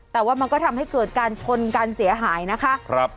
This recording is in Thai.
แต่ว่ามันก็ทำให้เกิดการชนการเสียหายนะคะ